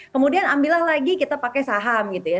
kemudian ambillah lagi kita pakai saham gitu ya